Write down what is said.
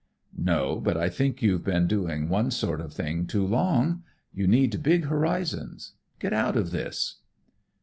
"No, but I think you've been doing one sort of thing too long. You need big horizons. Get out of this."